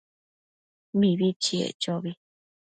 Mibi chiec chobi